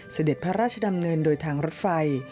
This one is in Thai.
เสด็จพระราชดำเนินโดยทางรถไฟ